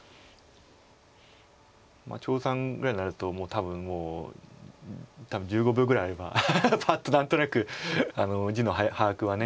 張栩さんぐらいになると多分もう多分１５秒ぐらいあればパッと何となく地の把握は。